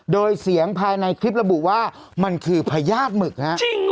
โดยเสียงภายในคลิประบุว่ามันคือพญาติหมึกฮะ